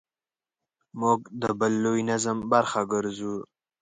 موږ د بل لوی نظم برخه ګرځو.